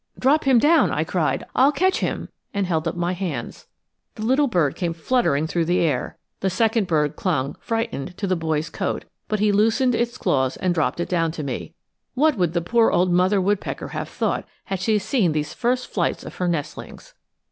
"Drop him down," I cried, "I'll catch him," and held up my hands. The little bird came fluttering through the air. The second bird clung frightened to the boy's coat, but he loosened its claws and dropped it down to me. What would the poor old mother woodpecker have thought had she seen these first flights of her nestlings!